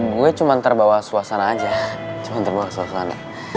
gue cuma terbawa suasana aja cuma terbawa suasana